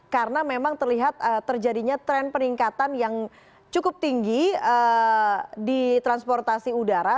karena memang terlihat terjadinya tren peningkatan yang cukup tinggi di transportasi udara